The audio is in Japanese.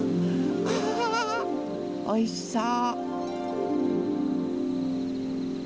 あおいしそう！